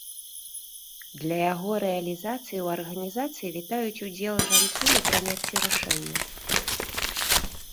Для яго рэалізацыі ў арганізацыі вітаюць удзел жанчын у прыняцці рашэнняў.